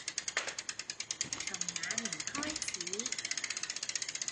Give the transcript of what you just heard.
從那年開始